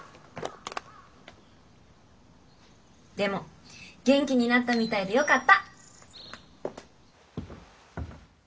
でも元気になったみたいでよかった！